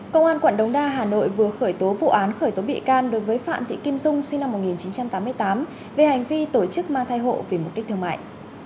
công an quận đống đa hà nội vừa khởi tố vụ án khởi tố bị can đối với phạm thị kim dung sinh năm một nghìn chín trăm tám mươi tám về hành vi tổ chức mang thai hộ vì mục đích thương mại